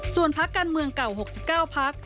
ส่วนพักการเมืองเก่า๖๙พัก